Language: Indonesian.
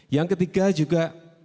yang ketiga juga